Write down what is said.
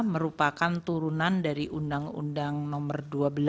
merupakan turunan dari undang undang nomor dua belas